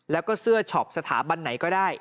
แล้วก็เสื้อช็อปสถาบันไหนก็ได้